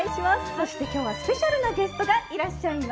そして今日はスペシャルなゲストがいらっしゃいます。